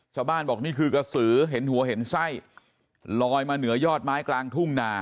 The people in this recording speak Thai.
บอกนี่คือกระสือเห็นหัวเห็นไส้ลอยมาเหนือยอดไม้กลางทุ่งนา